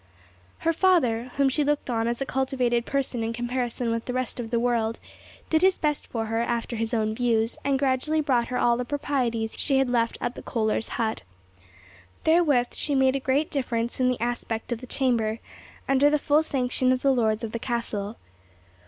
Her father, whom she looked on as a cultivated person in comparison with the rest of the world, did his best for her after his own views, and gradually brought her all the properties she had left at the Kohler's hut. Therewith she made a great difference in the aspect of the chamber, under the full sanction of the lords of the castle.